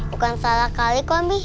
bukan salah kaliko mi